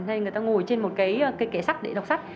hay người ta ngồi trên một cái kẻ sắt để đọc sách